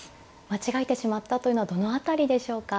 間違えてしまったというのはどの辺りでしょうか。